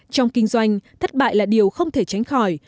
trong kinh doanh thất bại là điều không thể tránh khỏi